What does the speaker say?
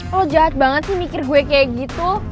oh jahat banget sih mikir gue kayak gitu